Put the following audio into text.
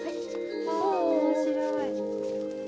わ面白い。